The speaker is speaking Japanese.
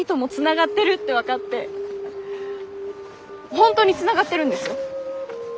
本当につながってるんですよ。